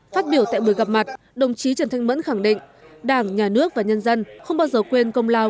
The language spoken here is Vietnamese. phát biểu tại buổi gặp mặt đồng chí trần thanh mẫn khẳng định đảng nhà nước và nhân dân không bao giờ quên công lao